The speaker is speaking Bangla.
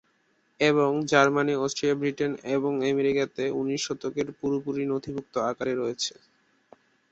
এবং জার্মানি, অস্ট্রিয়া, ব্রিটেন, এবং আমেরিকাতে উনিশ শতকের পুরোপুরি নথিভুক্ত আকারে রয়েছে।